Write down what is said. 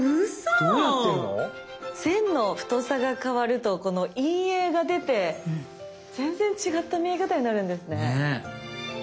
どうなってんの⁉線の太さが変わるとこの陰影が出て全然違った見え方になるんですね。